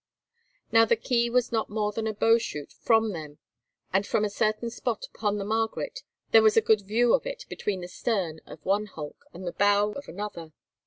Now the quay was not more than a bowshot from them, and from a certain spot upon the Margaret there was a good view of it between the stern of one hulk and the bow of another.